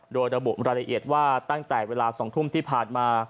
โดยระบุรายละเอียดว่าตั้งแต่เวลา๒ทุ่มที่ผ่านมา